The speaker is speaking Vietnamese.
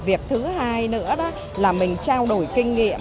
việc thứ hai nữa đó là mình trao đổi kinh nghiệm